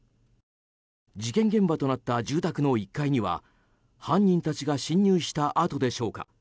事件現場となった住宅の１階には犯人たちが侵入した跡でしょうか